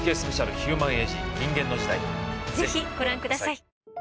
ぜひご覧ください。